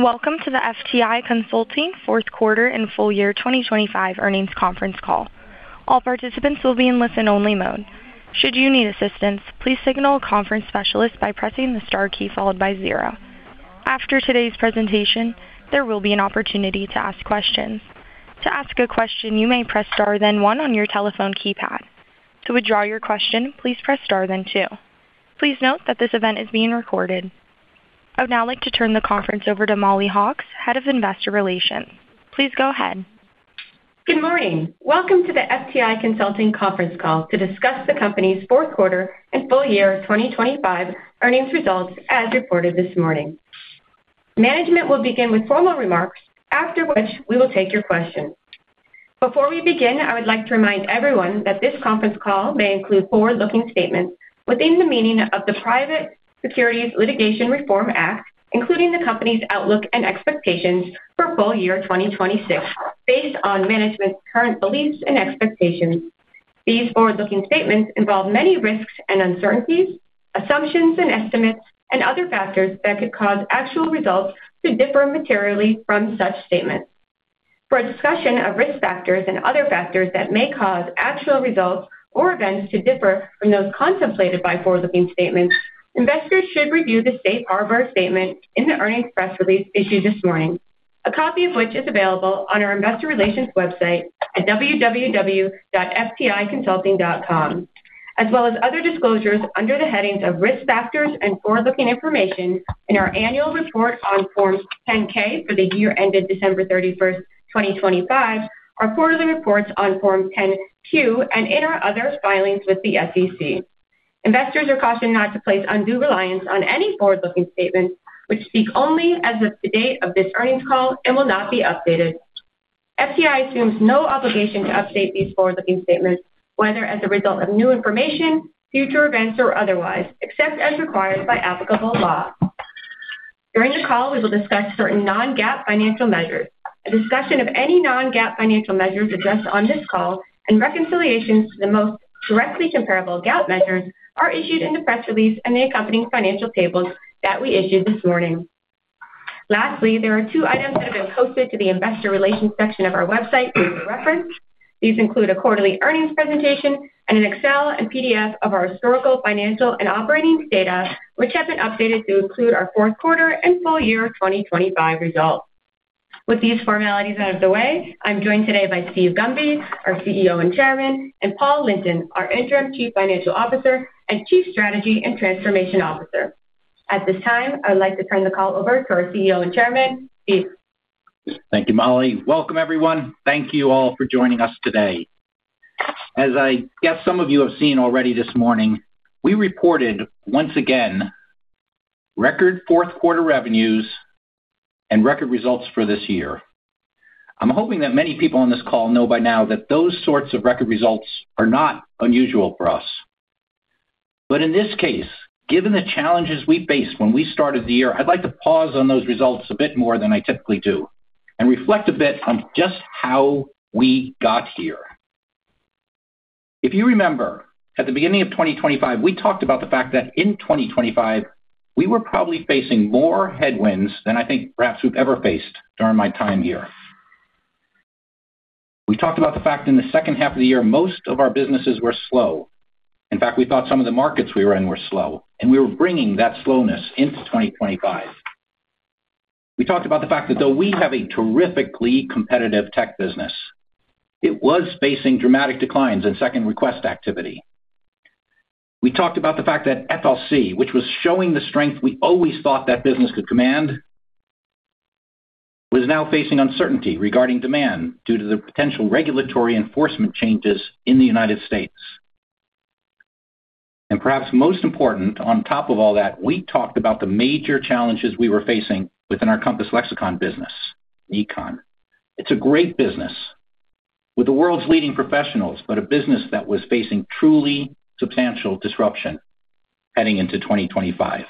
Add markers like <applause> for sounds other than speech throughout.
Welcome to the FTI Consulting fourth quarter and full year 2025 earnings conference call. All participants will be in listen-only mode. Should you need assistance, please signal a conference specialist by pressing the star key followed by zero. After today's presentation, there will be an opportunity to ask questions. To ask a question, you may press star, then one on your telephone keypad. To withdraw your question, please press star, then two. Please note that this event is being recorded. I would now like to turn the conference over to Mollie Hawkes, Head of Investor Relations. Please go ahead. Good morning. Welcome to the FTI Consulting conference call to discuss the company's fourth quarter and full year 2025 earnings results, as reported this morning. Management will begin with formal remarks, after which we will take your questions. Before we begin, I would like to remind everyone that this conference call may include forward-looking statements within the meaning of the Private Securities Litigation Reform Act, including the company's outlook and expectations for full year 2026, based on management's current beliefs and expectations. These forward-looking statements involve many risks and uncertainties, assumptions and estimates, and other factors that could cause actual results to differ materially from such statements. For a discussion of risk factors and other factors that may cause actual results or events to differ from those contemplated by forward-looking statements, investors should review the safe harbor statement in the earnings press release issued this morning, a copy of which is available on our Investor Relations website at www.fticonsulting.com, as well as other disclosures under the headings of Risk Factors and Forward-Looking Information in our annual report on Form 10-K for the year ended December 31st, 2025, our quarterly reports on Form 10-Q, and in our other filings with the SEC. Investors are cautioned not to place undue reliance on any forward-looking statements which speak only as of the date of this earnings call and will not be updated. FTI assumes no obligation to update these forward-looking statements, whether as a result of new information, future events, or otherwise, except as required by applicable law. During the call, we will discuss certain non-GAAP financial measures. A discussion of any non-GAAP financial measures discussed on this call and reconciliations to the most directly comparable GAAP measures are issued in the press release and the accompanying financial tables that we issued this morning. Lastly, there are two items that have been posted to the Investor Relations section of our website for your reference. These include a quarterly earnings presentation and an Excel and PDF of our historical, financial, and operating data, which has been updated to include our fourth quarter and full year 2025 results. With these formalities out of the way, I'm joined today by Steve Gunby, our CEO and Chairman, and Paul Linton, our Interim Chief Financial Officer and Chief Strategy and Transformation Officer. At this time, I'd like to turn the call over to our CEO and Chairman, Steve. Thank you, Mollie. Welcome, everyone. Thank you all for joining us today. As I guess some of you have seen already this morning, we reported once again record fourth quarter revenues and record results for this year. I'm hoping that many people on this call know by now that those sorts of record results are not unusual for us. In this case, given the challenges we faced when we started the year, I'd like to pause on those results a bit more than I typically do and reflect a bit on just how we got here. If you remember, at the beginning of 2025, we talked about the fact that in 2025, we were probably facing more headwinds than I think perhaps we've ever faced during my time here. We talked about the fact in the second half of the year, most of our businesses were slow. In fact, we thought some of the markets we were in were slow, and we were bringing that slowness into 2025. We talked about the fact that though we have a terrifically competitive tech business, it was facing dramatic declines in second request activity. We talked about the fact that FLC, which was showing the strength we always thought that business could command, was now facing uncertainty regarding demand due to the potential regulatory enforcement changes in the United States. Perhaps most important, on top of all that, we talked about the major challenges we were facing within our Compass Lexecon business, E-Con. It's a great business with the world's leading professionals, but a business that was facing truly substantial disruption heading into 2025.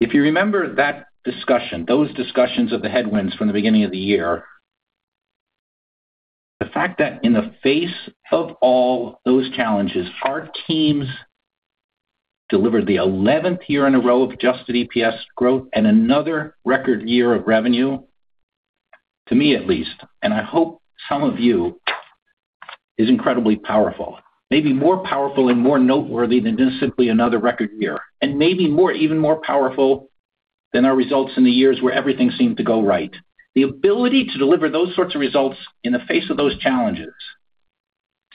If you remember that discussion, those discussions of the headwinds from the beginning of the year, the fact that in the face of all those challenges, our teams delivered the 11th year in a row of adjusted EPS growth and another record year of revenue, to me at least, and I hope some of you, is incredibly powerful, maybe more powerful and more noteworthy than just simply another record year, and maybe more, even more powerful than our results in the years where everything seemed to go right. The ability to deliver those sorts of results in the face of those challenges,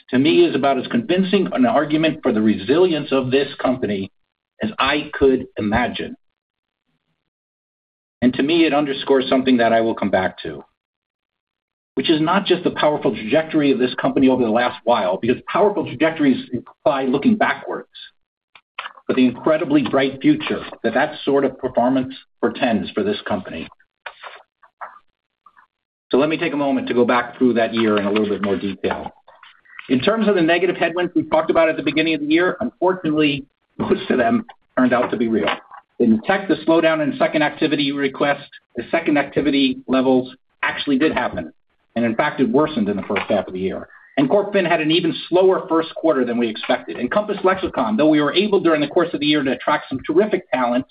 to me, is about as convincing an argument for the resilience of this company as I could imagine. To me, it underscores something that I will come back to, which is not just the powerful trajectory of this company over the last while, because powerful trajectories imply looking backwards, but the incredibly bright future that that sort of performance portends for this company. Let me take a moment to go back through that year in a little bit more detail. In terms of the negative headwinds, we talked about at the beginning of the year, unfortunately, most of them turned out to be real. In tech, the slowdown in second activity request, the second activity levels actually did happen, and in fact, it worsened in the first half of the year. Corp Fin had an even slower first quarter than we expected. Compass Lexecon, though we were able, during the course of the year, to attract some terrific talent,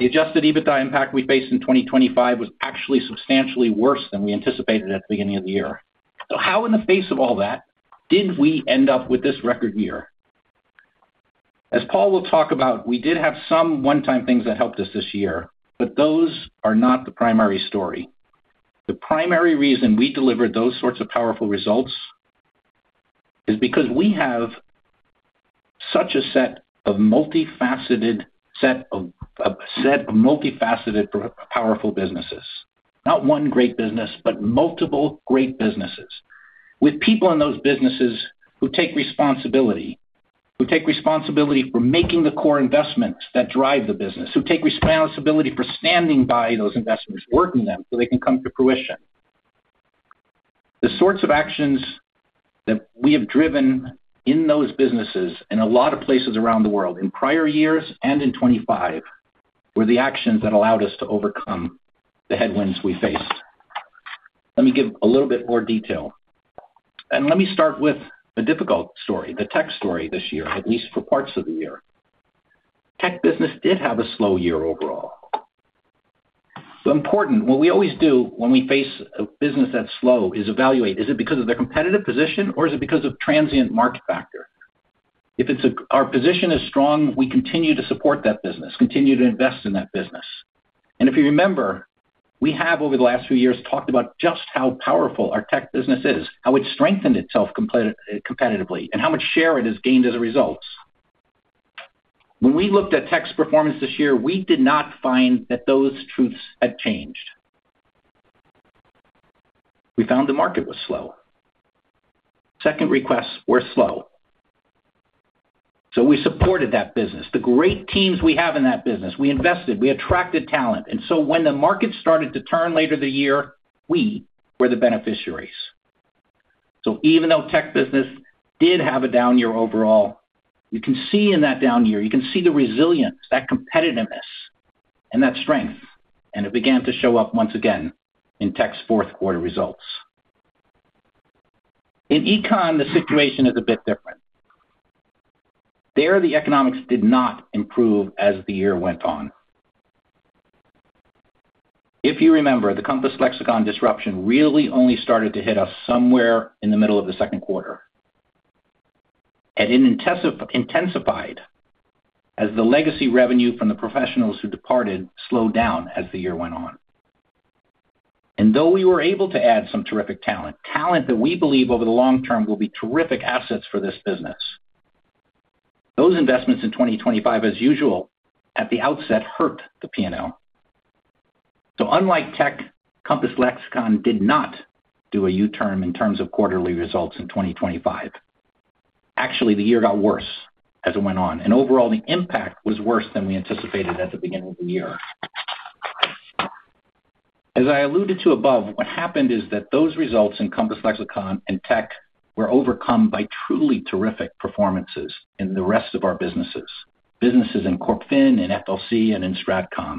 the adjusted EBITDA impact we faced in 2025 was actually substantially worse than we anticipated at the beginning of the year. How in the face of all that, did we end up with this record year? As Paul will talk about, we did have some one-time things that helped us this year, but those are not the primary story. The primary reason we delivered those sorts of powerful results is because we have such a set of multifaceted, powerful businesses. Not one great business, but multiple great businesses, with people in those businesses who take responsibility, who take responsibility for making the core investments that drive the business, who take responsibility for standing by those investments, working them so they can come to fruition. The sorts of actions that we have driven in those businesses in a lot of places around the world, in prior years and in 2025, were the actions that allowed us to overcome the headwinds we faced. Let me give a little bit more detail, and let me start with the difficult story, the tech story this year, at least for parts of the year. Tech business did have a slow year overall. Important, what we always do when we face a business that's slow, is evaluate. Is it because of their competitive position or is it because of transient market factor? If our position is strong, we continue to support that business, continue to invest in that business. If you remember, we have, over the last few years, talked about just how powerful our tech business is, how it's strengthened itself competitively, and how much share it has gained as a result. When we looked at tech's performance this year, we did not find that those truths had changed. We found the market was slow. Second Requests were slow. We supported that business. The great teams we have in that business, we invested, we attracted talent. When the market started to turn later in the year, we were the beneficiaries. Even though tech business did have a down year overall, you can see in that down year, you can see the resilience, that competitiveness and that strength, and it began to show up once again in tech's fourth quarter results. In econ, the situation is a bit different. There, the economics did not improve as the year went on. If you remember, the Compass Lexecon disruption really only started to hit us somewhere in the middle of the second quarter. It intensified as the legacy revenue from the professionals who departed slowed down as the year went on. Though we were able to add some terrific talent that we believe over the long term will be terrific assets for this business, those investments in 2025, as usual, at the outset, hurt the P&L. Unlike tech, Compass Lexecon did not do a U-turn in terms of quarterly results in 2025. Actually, the year got worse as it went on, and overall, the impact was worse than we anticipated at the beginning of the year. As I alluded to above, what happened is that those results in Compass Lexecon and tech were overcome by truly terrific performances in the rest of our businesses in Corp Fin, in FLC, and in StratCom.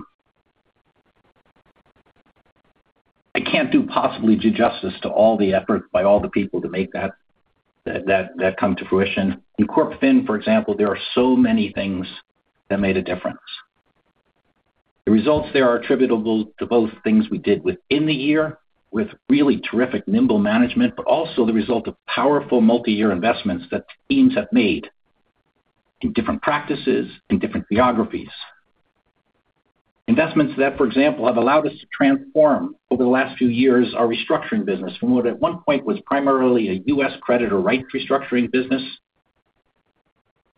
I can't possibly do justice to all the effort by all the people to make that come to fruition. In Corp Fin, for example, there are so many things that made a difference. The results there are attributable to both things we did within the year, with really terrific, nimble management, but also the result of powerful multi-year investments that teams have made in different practices, in different geographies. Investments that, for example, have allowed us to transform over the last few years, our restructuring business, from what at one point was primarily a U.S. creditor rights restructuring business,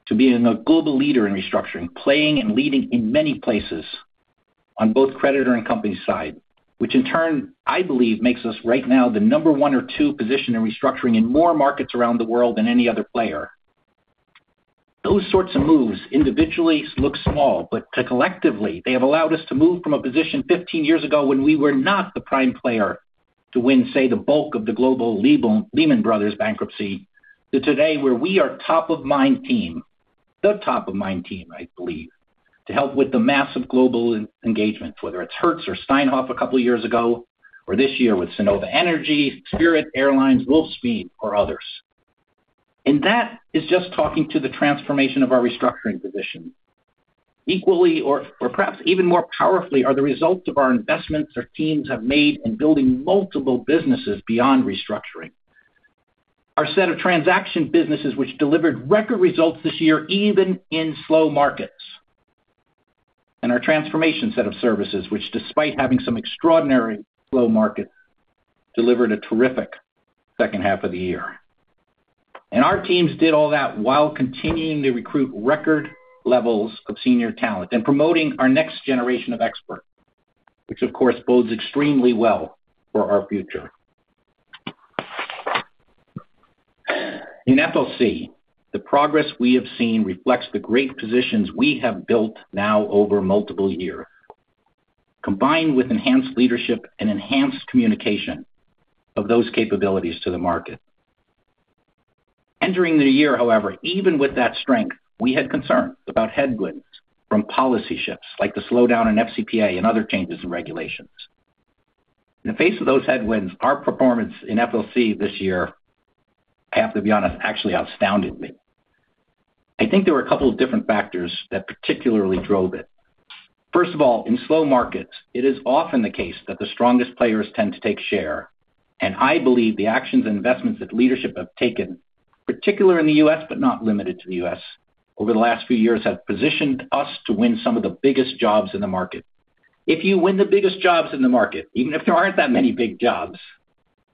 to being a global leader in restructuring, playing and leading in many places on both creditor and company side, which in turn, I believe, makes us right now the number one or two position in restructuring in more markets around the world than any other player. Those sorts of moves individually look small, but collectively, they have allowed us to move from a position 15 years ago when we were not the prime player to win, say, the bulk of the global Lehman Brothers bankruptcy, to today, where we are the top of mind team, I believe, to help with the massive global engagements, whether it's Hertz or Steinhoff a couple of years ago, or this year with Cenovus Energy, Spirit Airlines, Wolfspeed, or others. That is just talking to the transformation of our restructuring position. Equally or perhaps even more powerfully, are the results of our investments our teams have made in building multiple businesses beyond restructuring. Our set of transaction businesses, which delivered record results this year, even in slow markets, and our transformation set of services, which, despite having some extraordinary slow markets, delivered a terrific second half of the year. Our teams did all that while continuing to recruit record levels of senior talent and promoting our next generation of experts, which of course, bodes extremely well for our future. In FLC, the progress we have seen reflects the great positions we have built now over multiple years, combined with enhanced leadership and enhanced communication of those capabilities to the market. Entering the new year, however, even with that strength, we had concerns about headwinds from policy shifts, like the slowdown in FCPA and other changes in regulations. In the face of those headwinds, our performance in FLC this year, I have to be honest, actually astounded me. I think there were a couple of different factors that particularly drove it. First of all, in slow markets, it is often the case that the strongest players tend to take share. I believe the actions and investments that leadership have taken, particularly in the U.S., but not limited to the U.S., over the last few years, have positioned us to win some of the biggest jobs in the market. If you win the biggest jobs in the market, even if there aren't that many big jobs,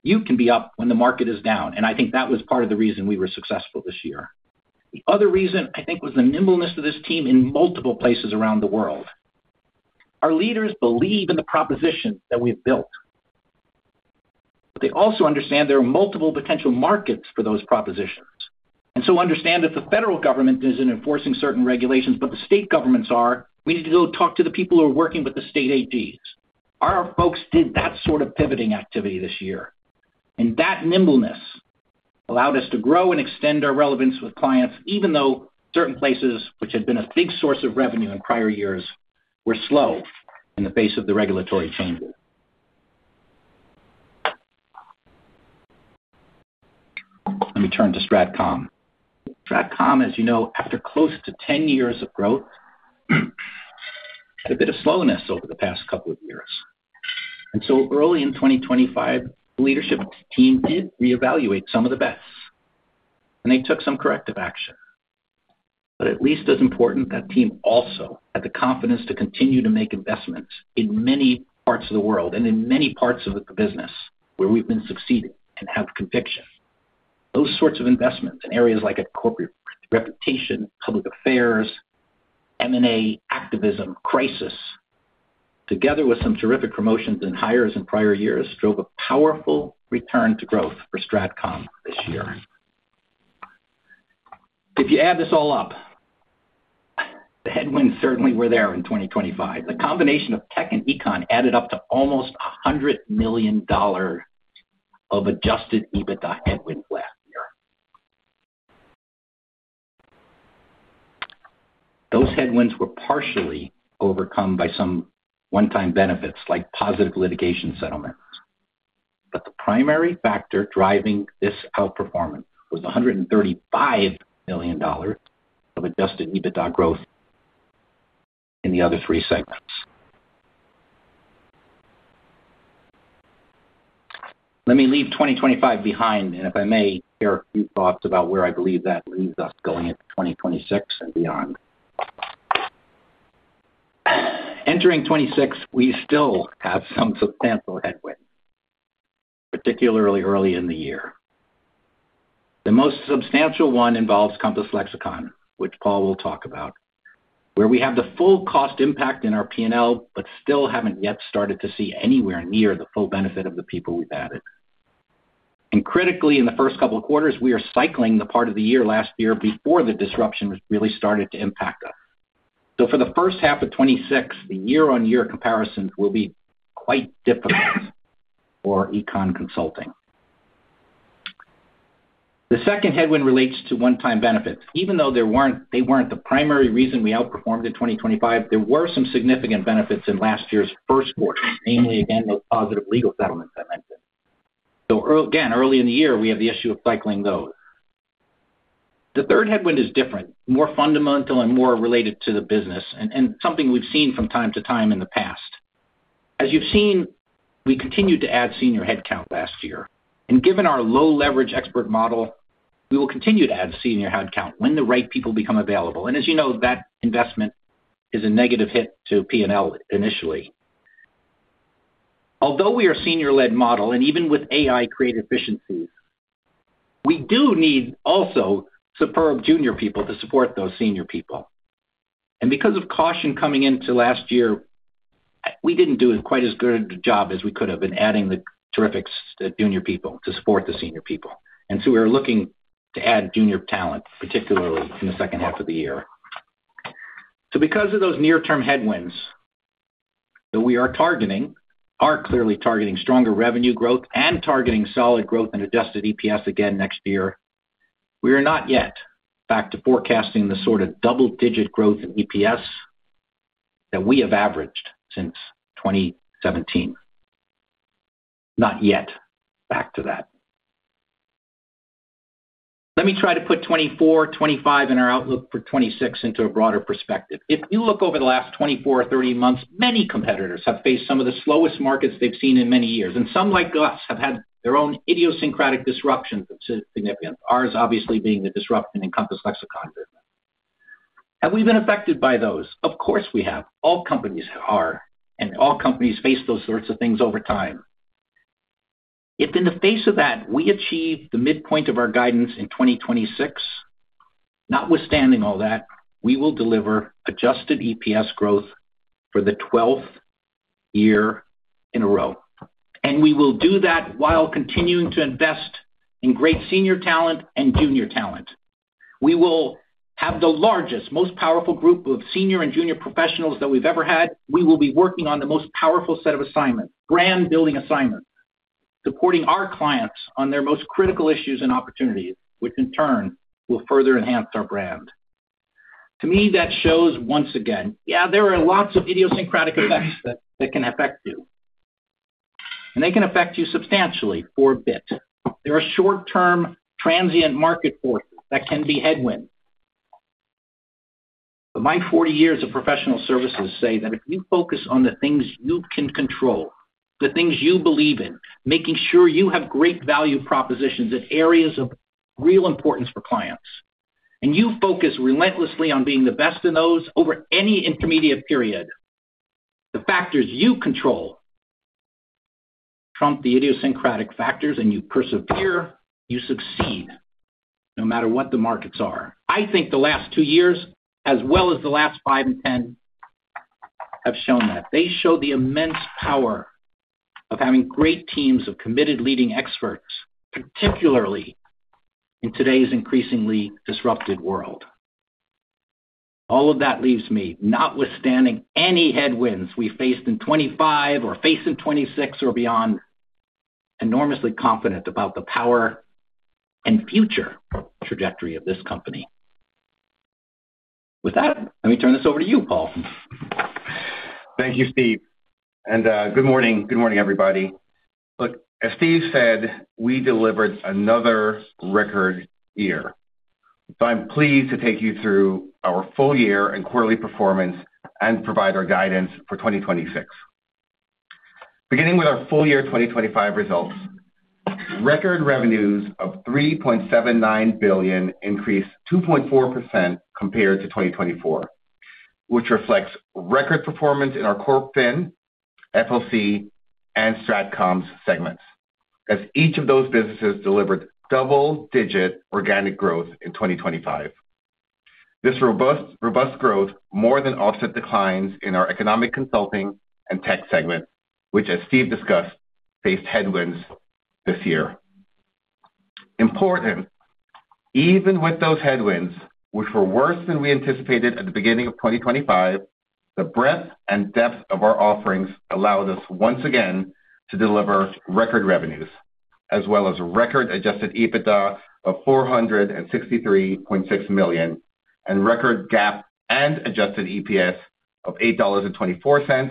you can be up when the market is down. I think that was part of the reason we were successful this year. The other reason, I think, was the nimbleness of this team in multiple places around the world. Our leaders believe in the propositions that we've built. They also understand there are multiple potential markets for those propositions. Understand that the federal government isn't enforcing certain regulations, but the state governments are. We need to go talk to the people who are working with the state AGs. Our folks did that sort of pivoting activity this year, and that nimbleness allowed us to grow and extend our relevance with clients, even though certain places which had been a big source of revenue in prior years, were slow in the face of the regulatory changes. Let me turn to StratCom. StratCom, as you know, after close to 10 years of growth, a bit of slowness over the past couple of years. Early in 2025, the leadership team did reevaluate some of the bets, and they took some corrective action. At least as important, that team also had the confidence to continue to make investments in many parts of the world and in many parts of the business where we've been succeeding and have conviction. Those sorts of investments in areas like corporate reputation, public affairs, M&A, activism, crisis, together with some terrific promotions and hires in prior years, drove a powerful return to growth for StratCom this year. If you add this all up, the headwinds certainly were there in 2025. The combination of tech and econ added up to almost $100 million of adjusted EBITDA headwinds last year. Those headwinds were partially overcome by some one-time benefits, like positive litigation settlements. The primary factor driving this outperformance was $135 million of adjusted EBITDA growth in the other three segments. Let me leave 2025 behind, and if I may, share a few thoughts about where I believe that leaves us going into 2026 and beyond. Entering 2026, we still have some substantial headwinds, particularly early in the year. The most substantial one involves Compass Lexecon, which Paul will talk about, where we have the full cost impact in our P&L, but still haven't yet started to see anywhere near the full benefit of the people we've added. Critically, in the first couple of quarters, we are cycling the part of the year, last year, before the disruption really started to impact us. For the first half of 2026, the year-on-year comparisons will be quite difficult for econ consulting. The second headwind relates to one-time benefits. Even though they weren't, the primary reason we outperformed in 2025, there were some significant benefits in last year's first quarter, namely, again, those positive legal settlements I mentioned. Again, early in the year, we have the issue of cycling those. The third headwind is different, more fundamental and more related to the business, and something we've seen from time to time in the past. As you've seen, we continued to add senior headcount last year, and given our low-leverage expert model, we will continue to add senior headcount when the right people become available. As you know that investment is a negative hit to P&L initially. Although we are a senior-led model, and even with AI create efficiencies, we do need also superb junior people to support those senior people. Because of caution coming into last year, we didn't do quite as good a job as we could have in adding the terrific junior people to support the senior people. We are looking to add junior talent, particularly in the second half of the year. Because of those near-term headwinds that we are targeting, are clearly targeting stronger revenue growth and targeting solid growth in adjusted EPS again next year, we are not yet back to forecasting the sort of double-digit growth in EPS that we have averaged since 2017. Not yet back to that. Let me try to put 2024, 2025 and our outlook for 2026 into a broader perspective. If you look over the last 24 or 30 months, many competitors have faced some of the slowest markets they've seen in many years, and some, like us, have had their own idiosyncratic disruptions, which are significant. Ours obviously being the disruption in Compass Lexecon business. Have we been affected by those? Of course, we have. All companies are, and all companies face those sorts of things over time. If in the face of that, we achieve the midpoint of our guidance in 2026, notwithstanding all that, we will deliver adjusted EPS growth for the 12th year in a row, we will do that while continuing to invest in great senior talent and junior talent. We will have the largest, most powerful group of senior and junior professionals that we've ever had. We will be working on the most powerful set of assignments, brand-building assignments, supporting our clients on their most critical issues and opportunities, which in turn will further enhance our brand. To me, that shows once again, yeah, there are lots of idiosyncratic effects that can affect you, and they can affect you substantially for a bit. There are short-term transient market forces that can be headwind. My 40 years of professional services say that if you focus on the things you can control, the things you believe in, making sure you have great value propositions in areas of real importance for clients, and you focus relentlessly on being the best in those over any intermediate period, the factors you control trump the idiosyncratic factors, and you persevere, you succeed, no matter what the markets are. I think the last two years, as well as the last five and 10, have shown that. They show the immense power of having great teams of committed leading experts, particularly in today's increasingly disrupted world. All of that leaves me, notwithstanding any headwinds we faced in 2025 or face in 2026 or beyond, enormously confident about the power and future trajectory of this company. With that, let me turn this over to you, Paul. Thank you, Steve, and good morning. Good morning, everybody. Look, as Steve said, we delivered another record year. I'm pleased to take you through our full year and quarterly performance and provide our guidance for 2026. Beginning with our full year 2025 results, record revenues of $3.79 billion increased 2.4% compared to 2024, which reflects record performance in our Corp Fin, FLC, and StratCom's segments, as each of those businesses delivered double-digit organic growth in 2025. This robust growth more than offset declines in our Economic Consulting and Tech segment, which, as Steve discussed, faced headwinds this year. Important, even with those headwinds, which were worse than we anticipated at the beginning of 2025, the breadth and depth of our offerings allowed us once again to deliver record revenues, as well as record adjusted EBITDA of $463.6 million, and record GAAP and adjusted EPS of $8.24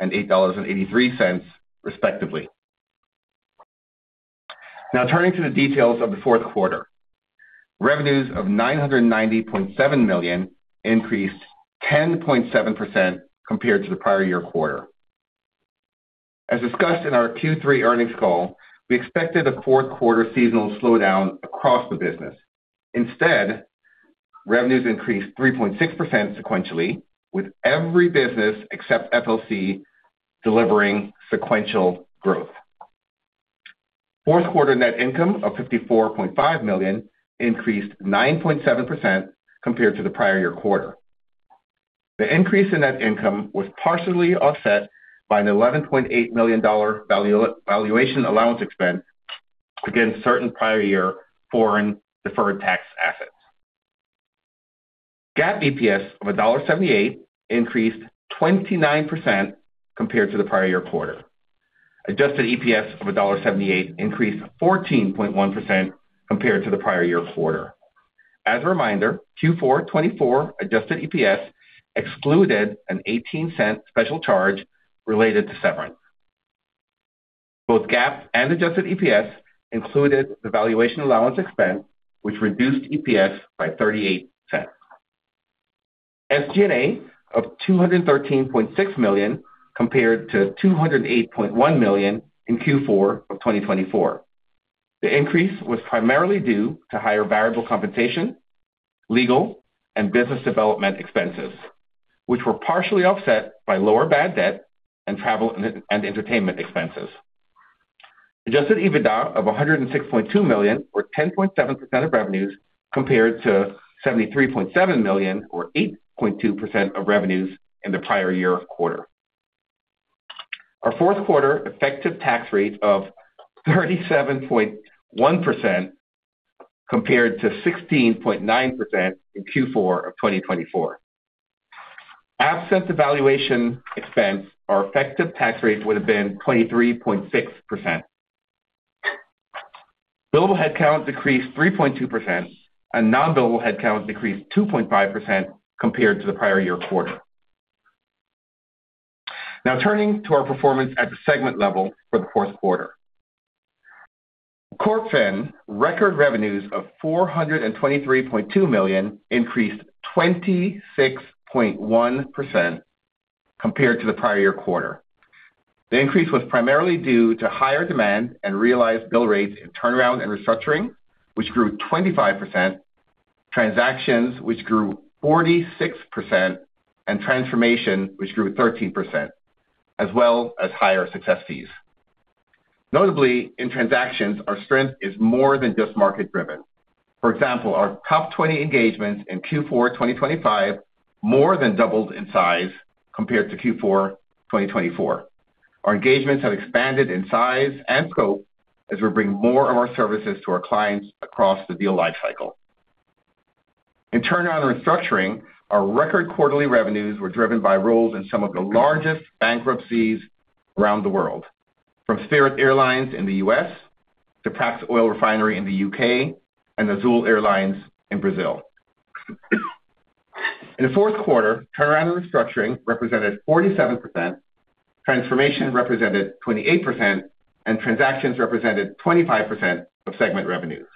and $8.83, respectively. Turning to the details of the fourth quarter. Revenues of $990.7 million increased 10.7% compared to the prior year quarter. As discussed in our Q3 earnings call, we expected a fourth quarter seasonal slowdown across the business. Revenues increased 3.6% sequentially, with every business except FLC delivering sequential growth. Fourth quarter net income of $54.5 million increased 9.7% compared to the prior year quarter. The increase in net income was partially offset by an $11.8 million valuation allowance expense against certain prior year foreign deferred tax assets. GAAP EPS of $1.78 increased 29% compared to the prior year quarter. Adjusted EPS of $1.78 increased 14.1% compared to the prior year quarter. As a reminder, Q4 2024 adjusted EPS excluded and $0.18 special charge related to severance. Both GAAP and adjusted EPS included the valuation allowance expense, which reduced EPS by $0.38. SG&A of $213.6 million compared to $208.1 million in Q4 of 2024. The increase was primarily due to higher variable compensation, legal and business development expenses, which were partially offset by lower bad debt and travel and entertainment expenses. Adjusted EBITDA of $106.2 million, or 10.7% of revenues, compared to $73.7 million, or 8.2% of revenues in the prior year quarter. Our fourth quarter effective tax rate of 37.1% compared to 16.9% in Q4 of 2024. Absent the valuation expense, our effective tax rate would have been 23.6%. Billable headcount decreased 3.2%, and non-billable headcount decreased 2.5% compared to the prior year quarter. Now turning to our performance at the segment level for the fourth quarter. Corp Fin, record revenues of $423.2 million increased 26.1% compared to the prior year quarter. The increase was primarily due to higher demand and realized bill rates in turnaround and restructuring, which grew 25%, transactions which grew 46%, and transformation, which grew 13%, as well as higher success fees. Notably, in transactions, our strength is more than just market driven. For example, our top 20 engagements in Q4 2025 more than doubled in size compared to Q4 2024. Our engagements have expanded in size and scope as we bring more of our services to our clients across the deal lifecycle. In turnaround and restructuring, our record quarterly revenues were driven by roles in some of the largest bankruptcies around the world, from Spirit Airlines in the U.S., to Prax Oil Refinery in the U.K., and Azul Airlines in Brazil. In the fourth quarter, turnaround and restructuring represented 47%, transformation represented 28%, and transactions represented 25% of segment revenues.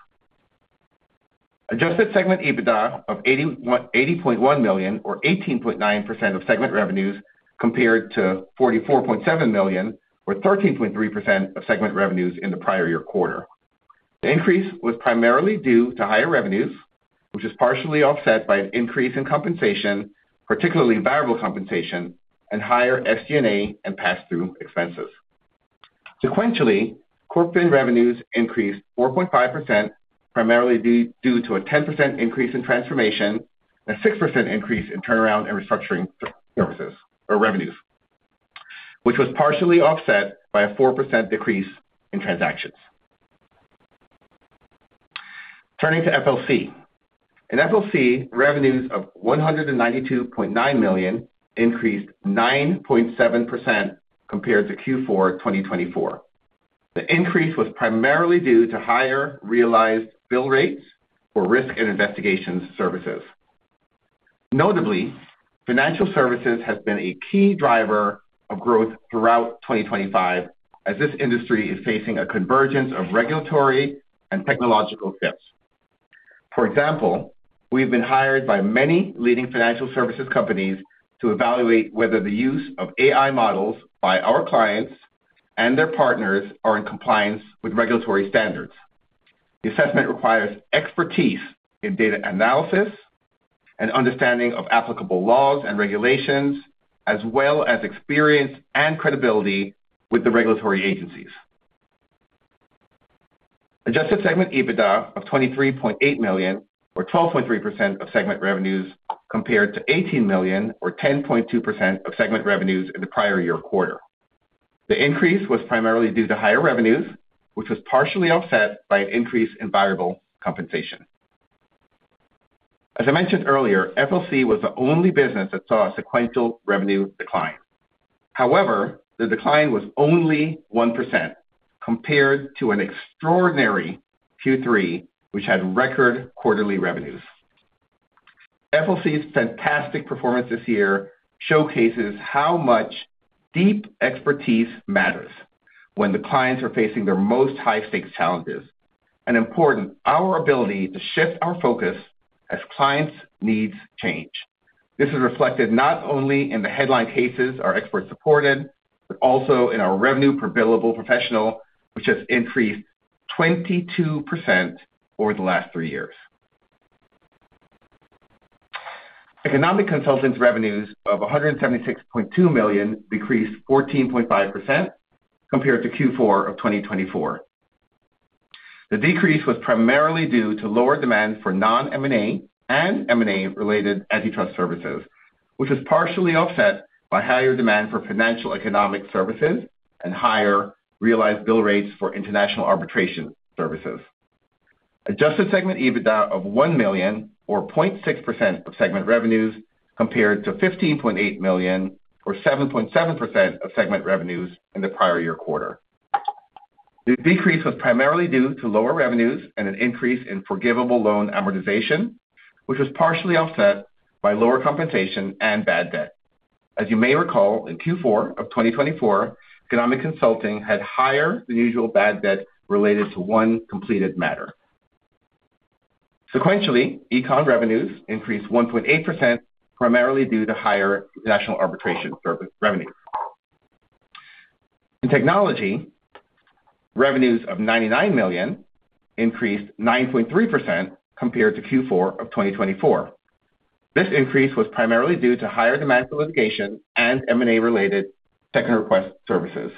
Adjusted segment EBITDA of $80.1 million or 18.9% of segment revenues, compared to $44.7 million or 13.3% of segment revenues in the prior year quarter. The increase was primarily due to higher revenues, which is partially offset by an increase in compensation, particularly variable compensation, and higher SG&A and pass-through expenses. Sequentially, corporate revenues increased 4.5%, primarily due to a 10% increase in transformation and a 6% increase in turnaround and restructuring services or revenues, which was partially offset by a 4% decrease in transactions. Turning to FLC. In FLC, revenues of $192.9 million increased 9.7% compared to Q4 2024. The increase was primarily due to higher realized bill rates for risk and investigation services. Notably, financial services has been a key driver of growth throughout 2025, as this industry is facing a convergence of regulatory and technological shifts. We've been hired by many leading financial services companies to evaluate whether the use of AI models by our clients and their partners are in compliance with regulatory standards. The assessment requires expertise in data analysis and understanding of applicable laws and regulations, as well as experience and credibility with the regulatory agencies. Adjusted segment EBITDA of $23.8 million or 12.3% of segment revenues, compared to $18 million or 10.2% of segment revenues in the prior year quarter. The increase was primarily due to higher revenues, which was partially offset by an increase in variable compensation. FLC was the only business that saw a sequential revenue decline. However, the decline was only 1% compared to an extraordinary Q3, which had record quarterly revenues. FLC's fantastic performance this year showcases how much deep expertise matters when the clients are facing their most high-stakes challenges, and important, our ability to shift our focus as clients' needs change. This is reflected not only in the headline cases our experts supported, but also in our revenue per billable professional, which has increased 22% over the last three years. Economic consultants' revenues of $176.2 million decreased 14.5% compared to Q4 of 2024. The decrease was primarily due to lower demand for non-M&A and M&A-related antitrust services, which was partially offset by higher demand for financial economics services and higher realized bill rates for international arbitration services. Adjusted segment EBITDA of $1 million or 0.6% of segment revenues, compared to $15.8 million or 7.7% of segment revenues in the prior year quarter. The decrease was primarily due to lower revenues and an increase in forgivable loan amortization, which was partially offset by lower compensation and bad debt. As you may recall, in Q4 of 2024, Economic Consulting had higher than usual bad debt related to one completed matter. Sequentially, econ revenues increased 1.8%, primarily due to higher national arbitration service revenue. In Technology, revenues of $99 million increased 9.3% compared to Q4 of 2024. This increase was primarily due to higher demand for litigation and M&A-related Second Request services.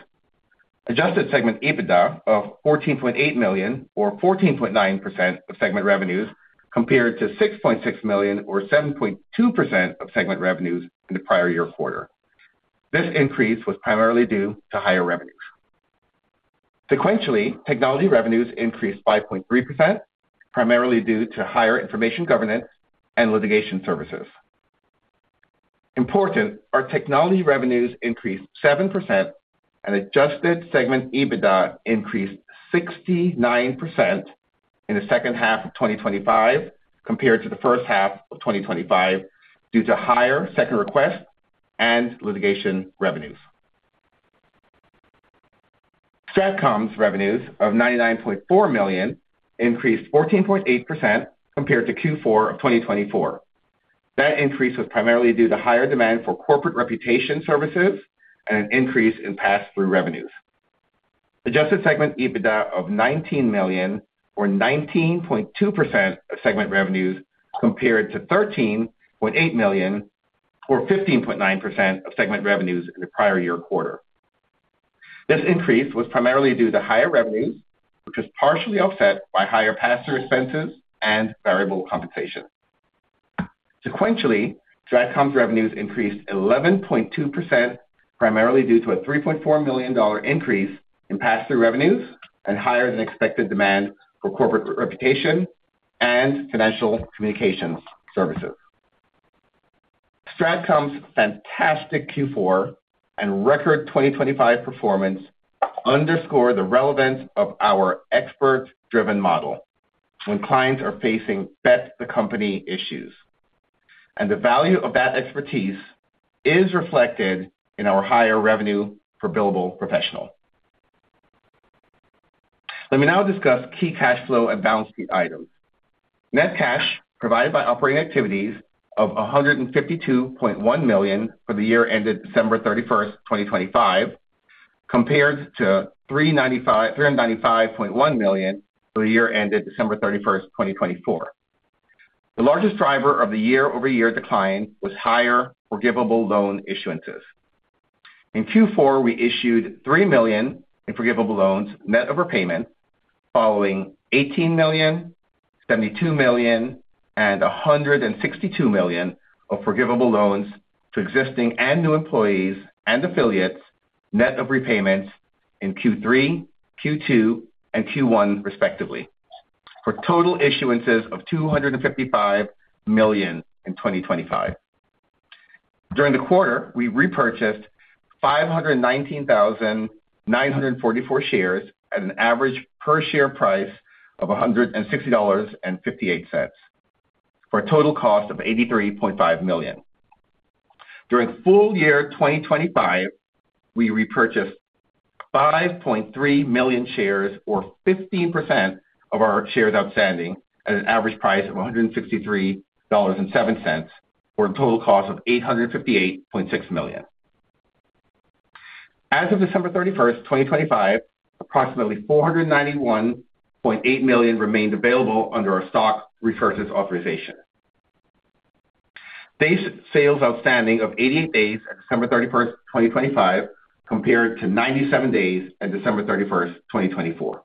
Adjusted segment EBITDA of $14.8 million or 14.9% of segment revenues, compared to $6.6 million or 7.2% of segment revenues in the prior year quarter. This increase was primarily due to higher revenues. Sequentially, technology revenues increased 5.3%, primarily due to higher information governance and litigation services. Important, our technology revenues increased 7% and adjusted segment EBITDA increased 69% in the second half of 2025 compared to the first half of 2025, due to higher Second Request and litigation revenues. StratCom's revenues of $99.4 million increased 14.8% compared to Q4 of 2024. That increase was primarily due to higher demand for corporate reputation services and an increase in pass-through revenues. Adjusted segment EBITDA of $19 million or 19.2% of segment revenues, compared to $13.8 million or 15.9% of segment revenues in the prior year quarter. This increase was primarily due to higher revenues, which was partially offset by higher pass-through expenses and variable compensation. Sequentially, StratCom's revenues increased 11.2%, primarily due to a $3.4 million increase in pass-through revenues and higher than expected demand for corporate reputation and Financial Communications services. StratCom's fantastic Q4 and record 2025 performance underscore the relevance of our expert-driven model when clients are facing bet-the-company issues, and the value of that expertise is reflected in our higher revenue for billable professional. Let me now discuss key cash flow and balance sheet items. Net cash provided by operating activities of $152.1 million for the year ended December 31, 2025, compared to $395.1 million for the year ended December 31st, 2024. The largest driver of the year-over-year decline was higher forgivable loan issuances. In Q4, we issued $3 million in forgivable loans, net of repayment, following $18 million, $72 million, and $162 million of forgivable loans to existing and new employees and affiliates, net of repayments in Q3, Q2, and Q1, respectively, for total issuances of $255 million in 2025. During the quarter, we repurchased 519,944 shares at an average per share price of $160.58, for a total cost of $83.5 million. During full year 2025, we repurchased 5.3 million shares, or 15% of our shares outstanding, at an average price of $163.07, for a total cost of $858.6 million. As of December 31st, 2025, approximately $491.8 million remained available under our stock repurchase authorization. Days sales outstanding of 80 days on December 31st, 2025, compared to 97 days on December 31st, 2024.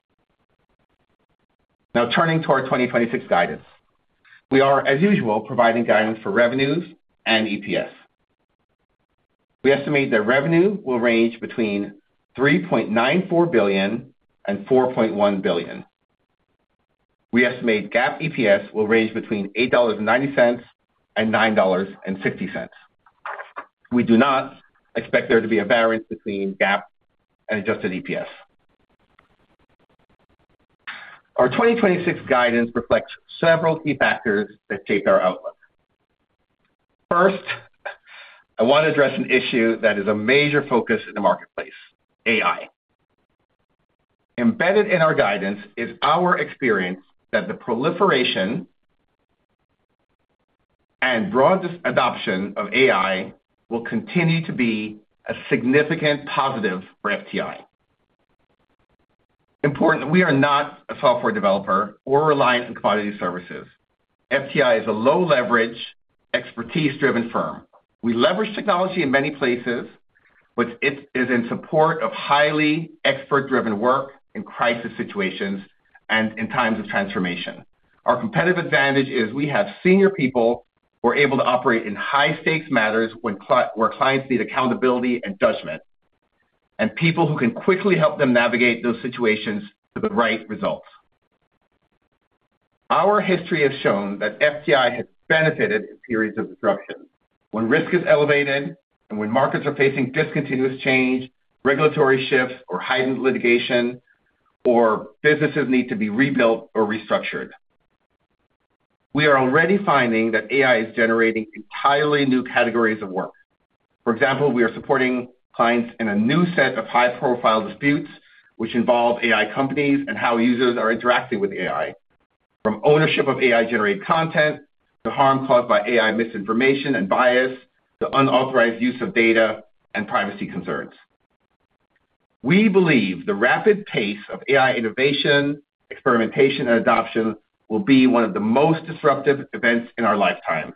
Turning to our 2026 guidance. We are, as usual, providing guidance for revenues and EPS. We estimate that revenue will range between $3.94 billion and $4.1 billion. We estimate GAAP EPS will range between $8.90 and $9.60. We do not expect there to be a variance between GAAP and adjusted EPS. Our 2026 guidance reflects several key factors that shape our outlook. First, I want to address an issue that is a major focus in the marketplace, AI. Embedded in our guidance is our experience that the proliferation and broad adoption of AI will continue to be a significant positive for FTI. Important, we are not a software developer or reliant on commodity services. FTI is a low-leverage, expertise-driven firm. We leverage technology in many places, but it is in support of highly expert-driven work in crisis situations and in times of transformation. Our competitive advantage is we have senior people who are able to operate in high stakes matters where clients need accountability and judgment, and people who can quickly help them navigate those situations to the right results. Our history has shown that FTI has benefited in periods of disruption, when risk is elevated and when markets are facing discontinuous change, regulatory shifts or heightened litigation, or businesses need to be rebuilt or restructured. We are already finding that AI is generating entirely new categories of work. For example, we are supporting clients in a new set of high-profile disputes, which involve AI companies and how users are interacting with AI, from ownership of AI-generated content to harm caused by AI misinformation and bias, to unauthorized use of data and privacy concerns. We believe the rapid pace of AI innovation, experimentation, and adoption will be one of the most disruptive events in our lifetime,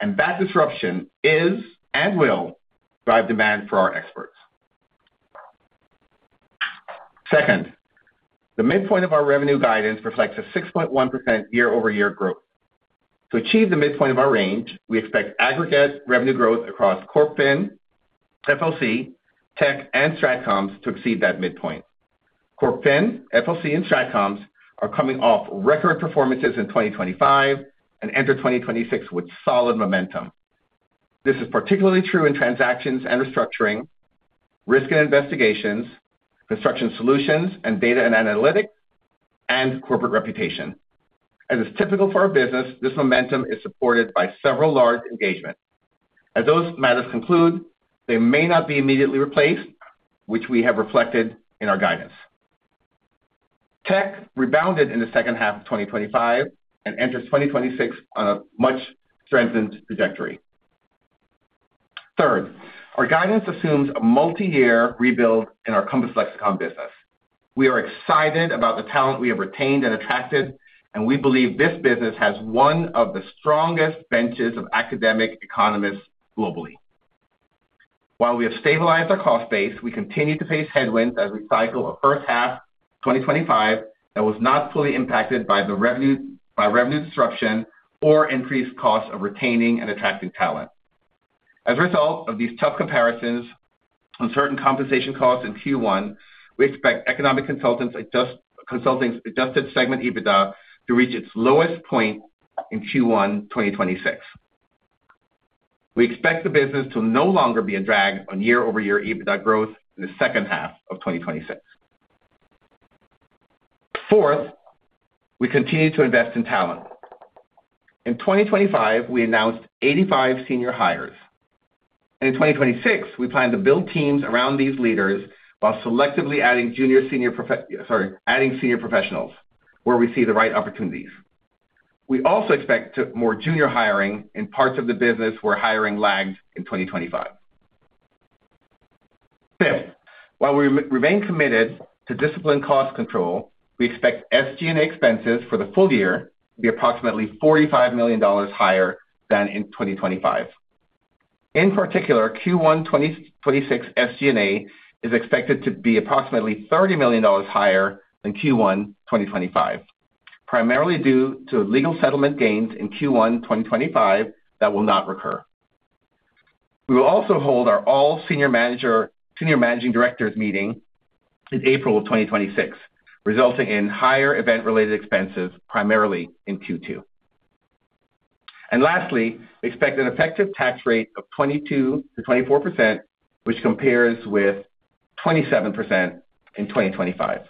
and that disruption is and will drive demand for our experts. Second, the midpoint of our revenue guidance reflects a 6.1% year-over-year growth. To achieve the midpoint of our range, we expect aggregate revenue growth across Corp Fin, FLC, Tech, and StratCom to exceed that midpoint. Corp Fin, FLC, and StratCom are coming off record performances in 2025 and enter 2026 with solid momentum. This is particularly true in transactions and restructuring, risk and investigations, construction solutions and data and analytics, and corporate reputation. As is typical for our business, this momentum is supported by several large engagements. As those matters conclude, they may not be immediately replaced, which we have reflected in our guidance. Tech rebounded in the second half of 2025 and enters 2026 on a much-strengthened trajectory. Third, our guidance assumes a multi-year rebuild in our Compass Lexecon business. We are excited about the talent we have retained and attracted, and we believe this business has one of the strongest benches of academic economists globally. While we have stabilized our cost base, we continue to face headwinds as we cycle a first half 2025 that was not fully impacted by revenue disruption or increased costs of retaining and attracting talent. As a result of these tough comparisons on certain compensation costs in Q1, we expect Economic Consulting's adjusted segment EBITDA to reach its lowest point in Q1 2026. We expect the business to no longer be a drag on year-over-year EBITDA growth in the second half of 2026. Fourth, we continue to invest in talent. In 2025, we announced 85 senior hires. In 2026, we plan to build teams around these leaders while selectively adding senior professionals where we see the right opportunities. We also expect to more junior hiring in parts of the business where hiring lagged in 2025. Fifth, while we remain committed to disciplined cost control, we expect SG&A expenses for the full year to be approximately $45 million higher than in 2025. In particular, Q1 2026 SG&A is expected to be approximately $30 million higher than Q1 2025, primarily due to legal settlement gains in Q1 2025 that will not recur. We will also hold our all-Senior Managing Directors meeting in April of 2026, resulting in higher event-related expenses, primarily in Q2. Lastly, we expect an effective tax rate of 22%-24%, which compares with 27% in 2025.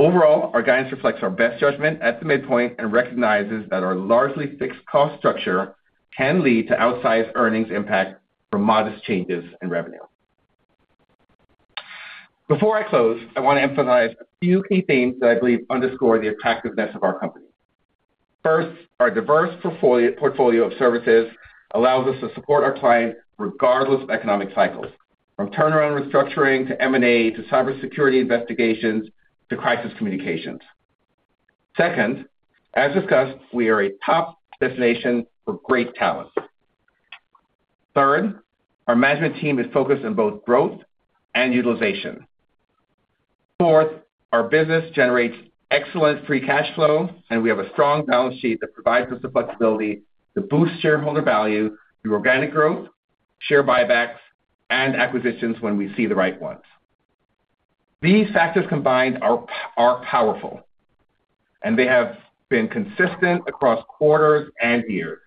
Overall, our guidance reflects our best judgment at the midpoint and recognizes that our largely fixed cost structure can lead to outsized earnings impact from modest changes in revenue. Before I close, I want to emphasize a few key themes that I believe underscore the attractiveness of our company. First, our diverse portfolio of services allows us to support our clients regardless of economic cycles, from turnaround and restructuring to M&A, to cybersecurity investigations, to crisis communications. Second, as discussed, we are a top destination for great talent. Third, our management team is focused on both growth and utilization. Fourth, our business generates excellent free cash flow. We have a strong balance sheet that provides us the flexibility to boost shareholder value through organic growth, share buybacks, and acquisitions when we see the right ones. These factors combined are powerful. They have been consistent across quarters and years.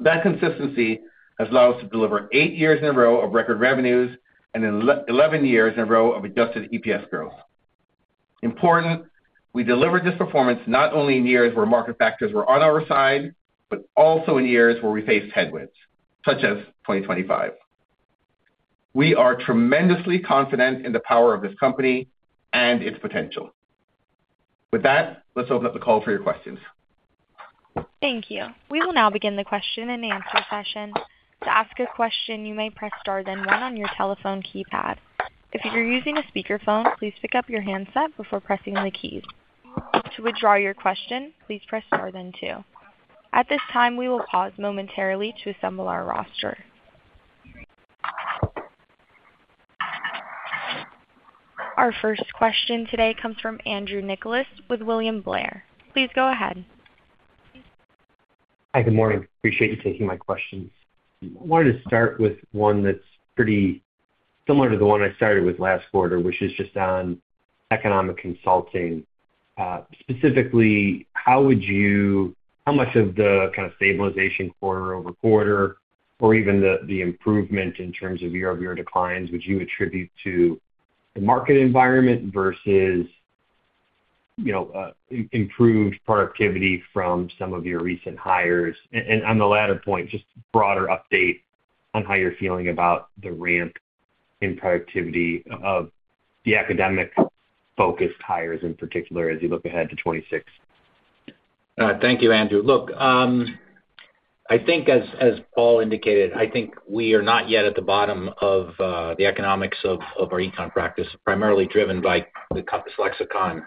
That consistency has allowed us to deliver eight years in a row of record revenues and 11 years in a row of adjusted EPS growth. Important, we delivered this performance not only in years where market factors were on our side, but also in years where we faced headwinds, such as 2025. We are tremendously confident in the power of this company and its potential. With that, let's open up the call for your questions. Thank you. We will now begin the question-and-answer session. To ask a question, you may press star then one on your telephone keypad. If you're using a speakerphone, please pick up your handset before pressing the keys. To withdraw your question, please press star then two. At this time, we will pause momentarily to assemble our roster. Our first question today comes from Andrew Nicholas with William Blair. Please go ahead. Hi, good morning. Appreciate you taking my questions. I wanted to start with one that's pretty similar to the one I started with last quarter, which is just on Economic Consulting. Specifically, how much of the kind of stabilization quarter-over-quarter or even the improvement in terms of year-over-year declines would you attribute to the market environment versus, you know, improved productivity from some of your recent hires? On the latter point, just broader update on how you're feeling about the ramp in productivity of the academic-focused hires, in particular, as you look ahead to 2026. Thank you, Andrew. Look, I think as Paul indicated, I think we are not yet at the bottom of the economics of our econ practice, primarily driven by the Compass Lexecon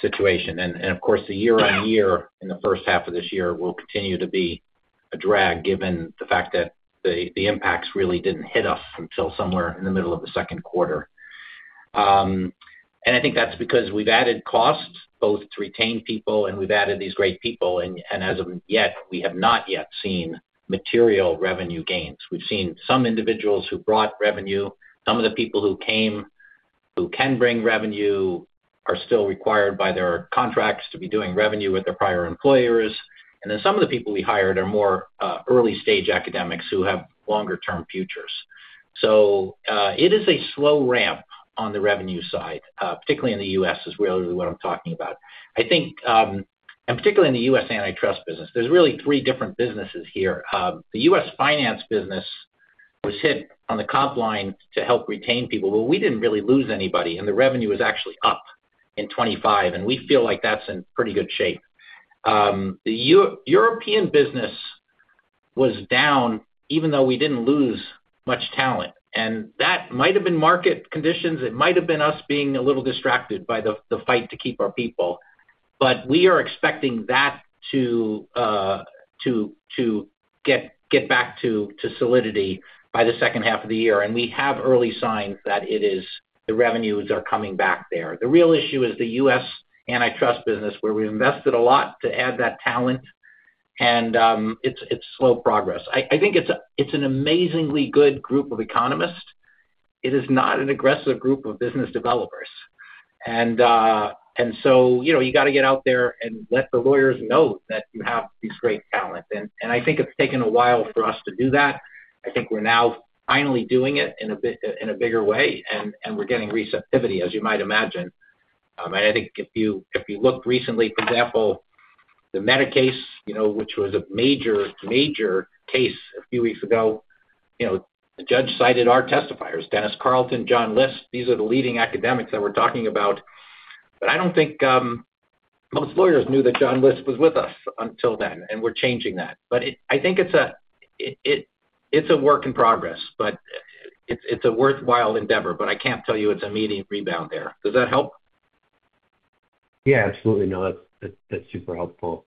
situation. Of course, the year-on-year in the first half of this year will continue to be a drag, given the fact that the impacts really didn't hit us until somewhere in the middle of the second quarter. I think that's because we've added costs, both to retain people, and we've added these great people, and as of yet, we have not yet seen material revenue gains. We've seen some individuals who brought revenue. Some of the people who came, who can bring revenue, are still required by their contracts to be doing revenue with their prior employers. Some of the people we hired are more, early-stage academics who have longer-term futures. It is a slow ramp on the revenue side, particularly in the U.S., is really what I'm talking about. I think, particularly in the U.S. antitrust business, there's really three different businesses here. The U.S. finance business was hit on the comp line to help retain people, but we didn't really lose anybody, and the revenue is actually up in 2025, and we feel like that's in pretty good shape. The European business was down, even though we didn't lose much talent, and that might have been market conditions. It might have been us being a little distracted by the fight to keep our people. We are expecting that to get back to solidity by the second half of the year. We have early signs that it is, the revenues are coming back there. The real issue is the U.S. antitrust business, where we've invested a lot to add that talent, and its slow progress. I think it's an amazingly good group of economists. It is not an aggressive group of business developers. So, you know, you got to get out there and let the lawyers know that you have these great talents. I think it's taken a while for us to do that. I think we're now finally doing it in a bigger way, and we're getting receptivity, as you might imagine. I think if you looked recently, for example, the Meta case, you know, which was a major case a few weeks ago, you know, the judge cited our testifiers, Dennis Carlton, John List. These are the leading academics that we're talking about. I don't think most lawyers knew that John List was with us until then, and we're changing that. I think it's a work in progress, but it's a worthwhile endeavor. I can't tell you it's immediate rebound there. Does that help? Yeah, absolutely. No, that's super helpful.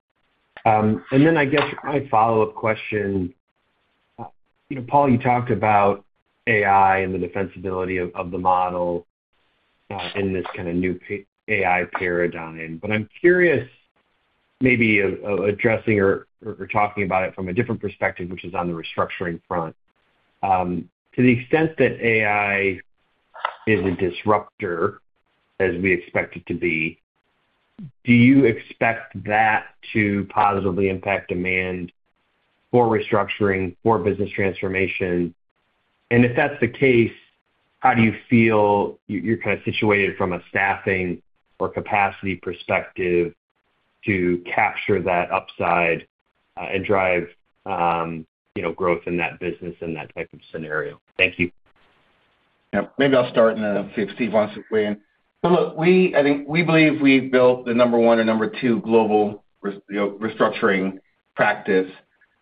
Then I guess my follow-up question: you know, Paul, you talked about AI and the defensibility of the model, in this kind of new AI paradigm. I'm curious, maybe of addressing or talking about it from a different perspective, which is on the restructuring front. To the extent that AI is a disruptor, as we expect it to be, do you expect that to positively impact demand for restructuring, for business transformation? If that's the case, how do you feel you're kind of situated from a staffing or capacity perspective to capture that upside, and drive, you know, growth in that business and that type of scenario? Thank you. Yeah. Maybe I'll start and see if Steve wants to weigh in. Look, I think we believe we've built the number one or number two global, you know, restructuring practice.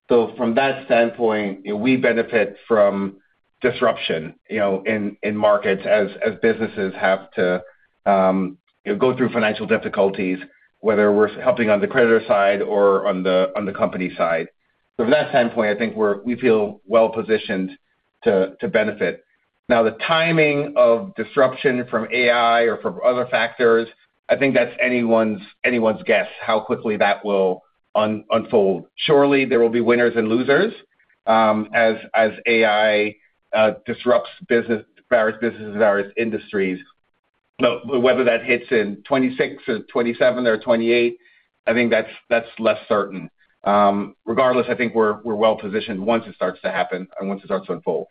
From that standpoint, we benefit from disruption, you know, in markets as businesses have to go through financial difficulties, whether we're helping on the creditor side or on the company side. From that standpoint, I think we feel well positioned to benefit. Now, the timing of disruption from AI or from other factors, I think that's anyone's guess, how quickly that will unfold. Surely, there will be winners and losers, as AI disrupts business, various businesses and various industries. Whether that hits in 2026 or 2027 or 2028, I think that's less certain. Regardless, I think we're well positioned once it starts to happen and once it starts to unfold.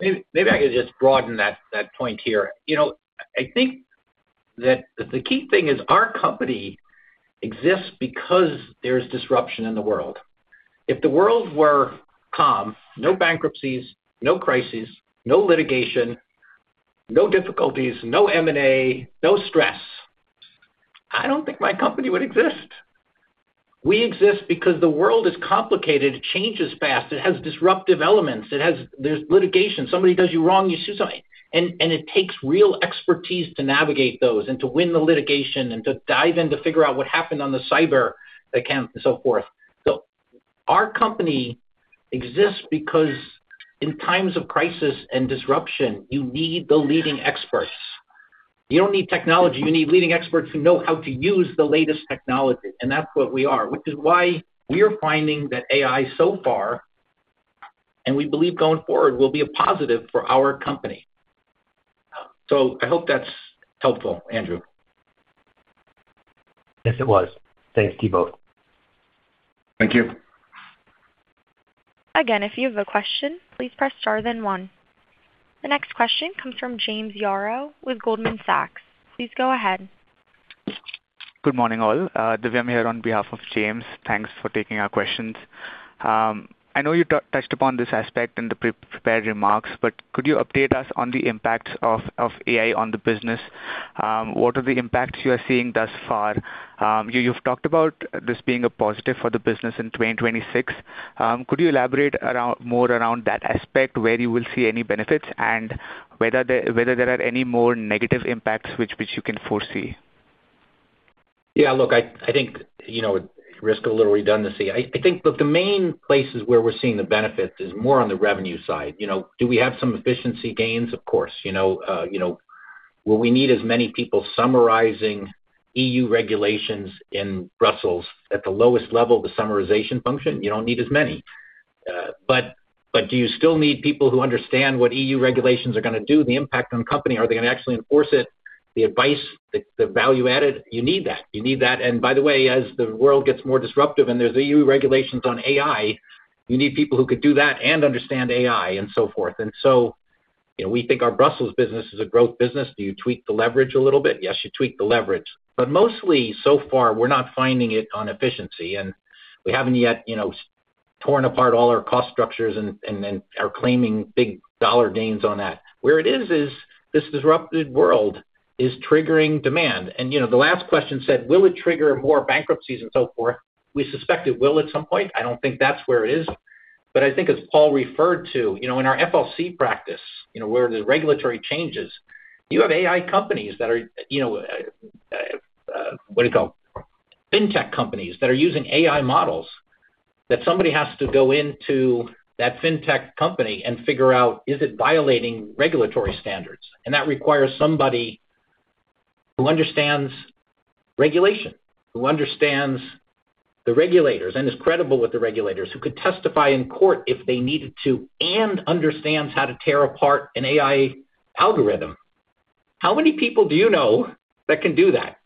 Maybe I could just broaden that point here. You know, I think that the key thing is our company exists because there's disruption in the world. If the world were calm, no bankruptcies, no crises, no litigation, no difficulties, no M&A, no stress, I don't think my company would exist. We exist because the world is complicated. It changes fast. It has disruptive elements. There's litigation. Somebody does you wrong, you sue somebody. It takes real expertise to navigate those and to win the litigation and to dive in to figure out what happened on the cyber account and so forth. Our company exists because in times of crisis and disruption, you need the leading experts. You don't need technology. You need leading experts who know how to use the latest technology, and that's what we are, which is why we are finding that AI so far, and we believe going forward, will be a positive for our company. I hope that's helpful, Andrew. Yes, it was. Thanks to you both. Thank you. Again, if you have a question, please press star, then one. The next question comes from James Yaro with Goldman Sachs. Please go ahead. Good morning, all. Divyam here on behalf of James. Thanks for taking our questions. I know you touched upon this aspect in the prepared remarks, but could you update us on the impacts of AI on the business? What are the impacts you are seeing thus far? You've talked about this being a positive for the business in 2026. Could you elaborate more around that aspect, where you will see any benefits and whether there are any more negative impacts which you can foresee? Look, I think, you know, risk a little redundancy. I think the main places where we're seeing the benefits is more on the revenue side. You know, do we have some efficiency gains? Of course. You know, will we need as many people summarizing EU regulations in Brussels at the lowest level, the summarization function? You don't need as many. Do you still need people who understand what EU regulations are going to do, the impact on company? Are they going to actually enforce it? The advice, the value added, you need that. You need that. By the way, as the world gets more disruptive and there's EU regulations on AI, you need people who could do that and understand AI and so forth. You know, we think our Brussels business is a growth business. Do you tweak the leverage a little bit? Yes, you tweak the leverage. Mostly so far, we're not finding it on efficiency, and we haven't yet, you know, torn apart all our cost structures and then are claiming big dollar gains on that. Where it is this disrupted world is triggering demand. You know, the last question said, will it trigger more bankruptcies and so forth? We suspect it will at some point. I don't think that's where it is. I think as Paul referred to, you know, in our FLC practice, you know, where the regulatory changes, you have AI companies that are, you know, fintech companies that are using AI models, that somebody has to go into that fintech company and figure out, is it violating regulatory standards? That requires somebody who understands regulation, who understands the regulators, and is credible with the regulators, who could testify in court if they needed to, and understands how to tear apart an AI algorithm. How many people do you know that can do that?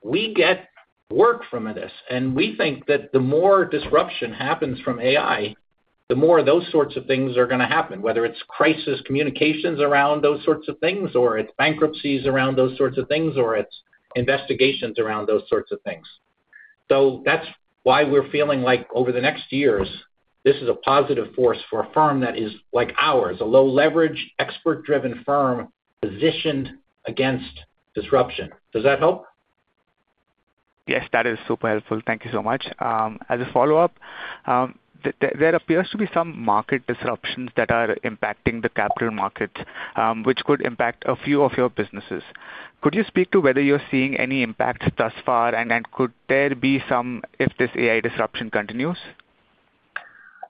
We get work from this, and we think that the more disruption happens from AI, the more those sorts of things are going to happen, whether it's crisis communications around those sorts of things, or it's bankruptcies around those sorts of things, or it's investigations around those sorts of things. That's why we're feeling like over the next years, this is a positive force for a firm that is like ours, a low-leverage, expert-driven firm, positioned against disruption. Does that help? Yes, that is super helpful. Thank you so much. As a follow-up, there appears to be some market disruptions that are impacting the capital markets, which could impact a few of your businesses. Could you speak to whether you're seeing any impact thus far, and could there be some if this AI disruption continues?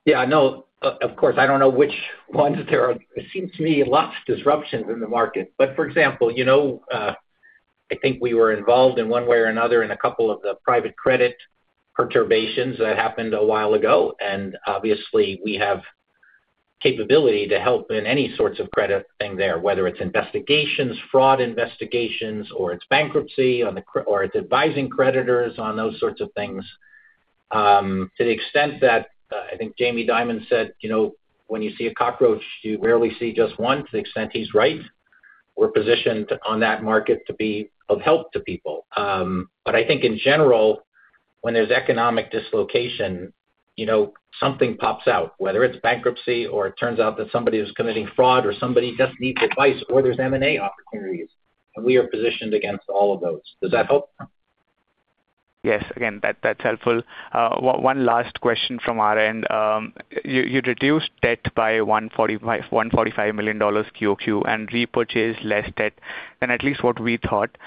Yeah, I know. Of course, I don't know which ones there are. It seems to me lots of disruptions in the market. For example, you know, I think we were involved in one way or another in a couple of the private credit perturbations that happened a while ago, and obviously, we have capability to help in any sorts of credit thing there, whether it's investigations, fraud investigations, or its bankruptcy, or it's advising creditors on those sorts of things. To the extent that, I think Jamie Dimon said, "You know, when you see a cockroach, you rarely see just one." To the extent he's right, we're positioned on that market to be of help to people. I think in general, when there's economic dislocation, you know, something pops out, whether it's bankruptcy or it turns out that somebody is committing fraud or somebody just needs advice or there's M&A opportunities. We are positioned against all of those. Does that help? Yes. Again, that's helpful. One last question from our end. You reduced debt by $145 million QOQ and repurchased less debt than at least what we thought.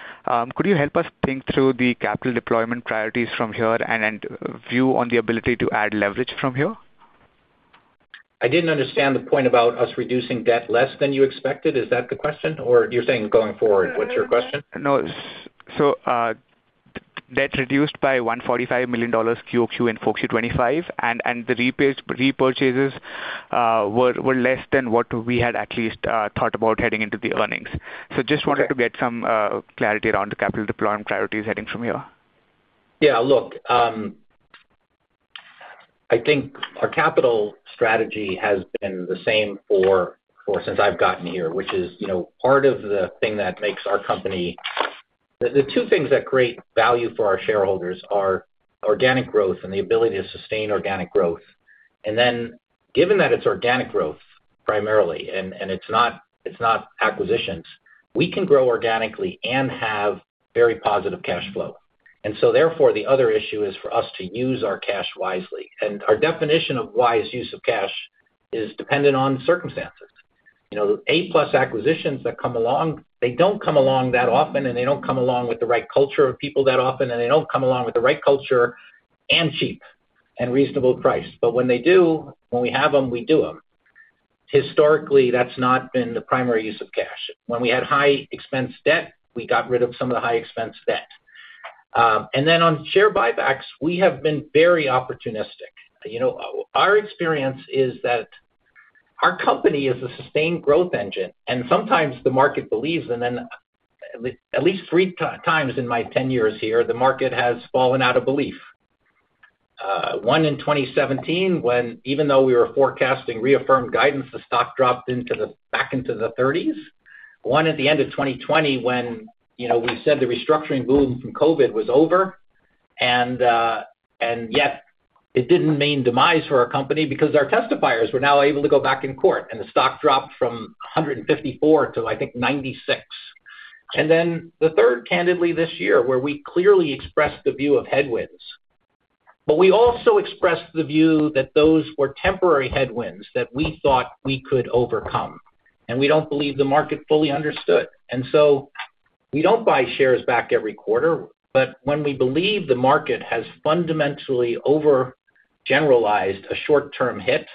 Could you help us think through the capital deployment priorities from here and view on the ability to add leverage from here? I didn't understand the point about us reducing debt less than you expected. Is that the question? You're saying going forward, what's your question? No. Debt reduced by $145 million QOQ in <inaudible> year 2025, and the repurchases were less than what we had at least thought about heading into the earnings. Just wanted to get some clarity around the capital deployment priorities heading from here. Yeah, look, I think our capital strategy has been the same for since I've gotten here, which is, you know, part of the thing that makes our company. The two things that create value for our shareholders are organic growth and the ability to sustain organic growth. Given that it's organic growth, primarily, and it's not acquisitions, we can grow organically and have very positive cash flow. Therefore, the other issue is for us to use our cash wisely. Our definition of wise use of cash is dependent on circumstances. You know, A-plus acquisitions that come along, they don't come along that often, and they don't come along with the right culture of people that often, and they don't come along with the right culture and cheap and reasonable price. When they do, when we have them, we do them. Historically, that's not been the primary use of cash. When we had high expense debt, we got rid of some of the high expense debt. On share buybacks, we have been very opportunistic. You know, our experience is that our company is a sustained growth engine, and sometimes the market believes, and then at least 3x in my 10 years here, the market has fallen out of belief. One in 2017, when even though we were forecasting reaffirmed guidance, the stock dropped back into the 30s. One at the end of 2020, when, you know, we said the restructuring boom from COVID was over, and yet it didn't mean demise for our company because our testifiers were now able to go back in court, and the stock dropped from 154 to, I think, 96. Then the third, candidly, this year, where we clearly expressed the view of headwinds. We also expressed the view that those were temporary headwinds that we thought we could overcome, and we don't believe the market fully understood. So, we don't buy shares back every quarter, but when we believe the market has fundamentally overgeneralized a short-term hit,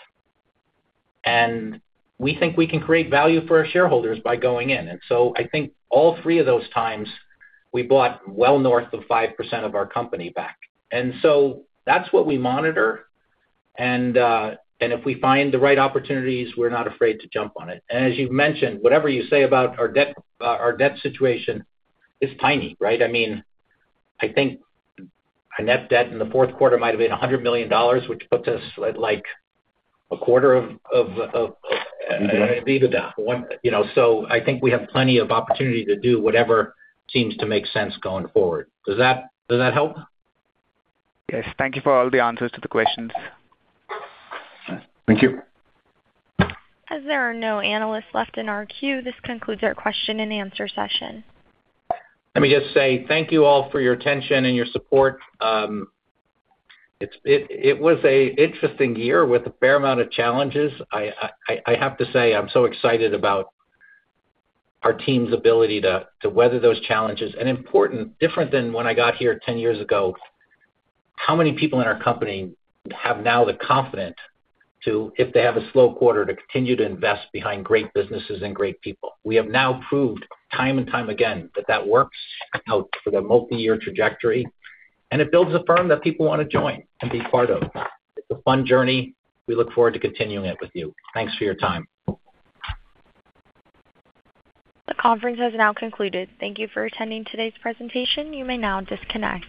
and we think we can create value for our shareholders by going in. So, I think all three of those times, we bought well north of 5% of our company back. That's what we monitor, and if we find the right opportunities, we're not afraid to jump on it. As you've mentioned, whatever you say about our debt, our debt situation is tiny, right? I mean, I think our net debt in the fourth quarter might have been $100 million, which puts us at, like, a quarter of- Mm-hmm... the EBITDA. You know, I think we have plenty of opportunity to do whatever seems to make sense going forward. Does that help? Thank you for all the answers to the questions. Thank you. As there are no analysts left in our queue, this concludes our question-and-answer session. Let me just say thank you all for your attention and your support. It was a interesting year with a fair amount of challenges. I have to say, I'm so excited about our team's ability to weather those challenges. Important, different than when I got here 10 years ago, how many people in our company have now the confidence to, if they have a slow quarter, to continue to invest behind great businesses and great people? We have now proved time and time again that that works out for the multi-year trajectory, and it builds a firm that people want to join and be part of. It's a fun journey. We look forward to continuing it with you. Thanks for your time. The conference has now concluded. Thank you for attending today's presentation. You may now disconnect.